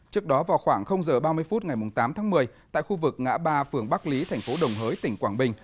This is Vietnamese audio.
trước đó vào khoảng h ba mươi phút ngày tám tháng một mươi tại khu vực ngã ba phường bắc lý thành phố đồng hới tỉnh quảng bình